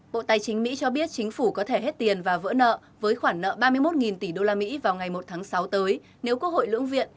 bộ tài chính mỹ cho biết chính phủ có thể hết tiền và vỡ nợ với khoản nợ ba mươi một tỷ usd vào ngày một tháng sáu tới nếu quốc hội lưỡng viện